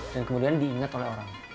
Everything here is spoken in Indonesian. dan kemudian diingat oleh orang lain